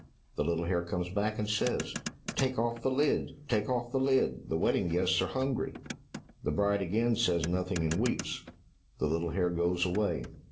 The little hare comes back and says, "Take off the lid, take off the lid, the wedding guests are hungry." The bride again says nothing, and weeps. The little hare goes away.